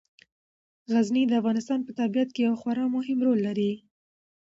غزني د افغانستان په طبیعت کې یو خورا مهم رول لري.